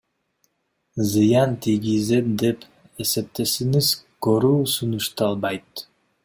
Зыян тийгизет деп эсептесеңиз, көрүү сунушталбайт.